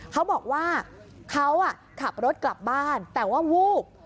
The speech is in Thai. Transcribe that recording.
เขาบอกว่าเขาขับรถกลับบ้านแต่ว่าวูบ